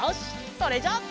それじゃあ。